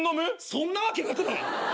そんなわけなくない！？